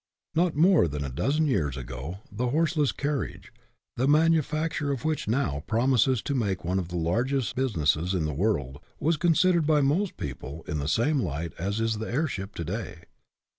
Not more than a dozen years ago the horse less carriage, the manufacture of which now promises to make one of the largest businesses in the world, was considered by most people in the same light as is the airship to day.